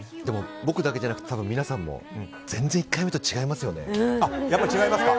でも僕だけじゃなくて多分皆さんも全然１回目と違いますよね。